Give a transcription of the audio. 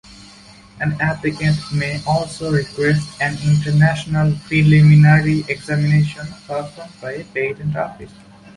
An applicant may also request an international preliminary examination performed by a patent office.